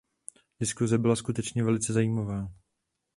Diskuse byla skutečně velice zajímavá.